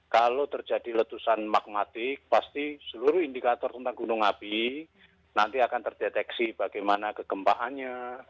kalau terjadi letusan magmatik pasti seluruh indikator tentang gunung api nanti akan terdeteksi bagaimana kegempaannya